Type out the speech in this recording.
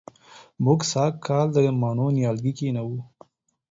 موږ سږ کال د مڼو نیالګي کېنوو